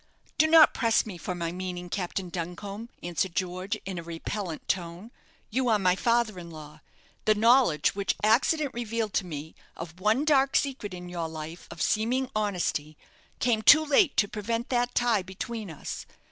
"Do not press me for my meaning, Captain Duncombe," answered George, in a repellant tone; "you are my father in law. The knowledge which accident revealed to me of one dark secret in your life of seeming honesty came too late to prevent that tie between us.